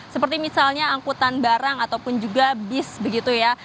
seperti misalnya angkutan barang ataupun juga bis begitu ya